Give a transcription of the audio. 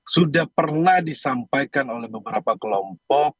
sudah pernah disampaikan oleh beberapa kelompok